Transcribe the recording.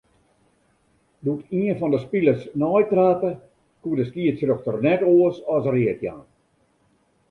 Doe't ien fan 'e spilers neitrape, koe de skiedsrjochter net oars as read jaan.